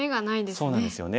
そうなんですよね。